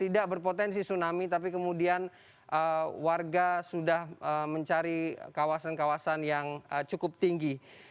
tidak berpotensi tsunami tapi kemudian warga sudah mencari kawasan kawasan yang cukup tinggi